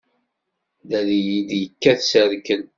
La iyi-d-yekkat s rrkel!